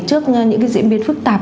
trước những diễn biến phức tạp